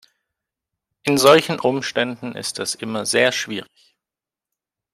In solchen Umständen ist das immer sehr schwierig.